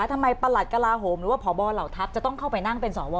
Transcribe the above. ทำไมหรือพ่อบอหล่าวทัพจะเข้าไปนั่งเป็นสว